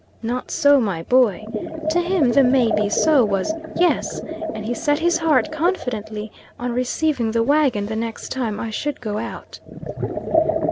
Not so my boy. To him the "May be so" was "yes," and he set his heart, confidently, on receiving the wagon the next time I should go out.